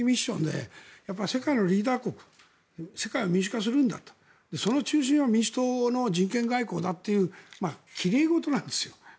アメリカは世界を民主化するんだとその中心は民主党の外交だというきれいごとなんですよ。